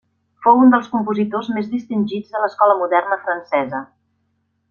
Fou un dels compositors més distingits de l'escola moderna francesa.